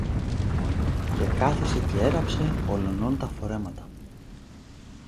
και καθησε κι έραψε ολονών τα φορέματα.